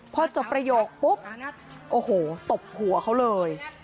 พอจบประโยคปุ๊บโอ้โหตบหัวเขาเลย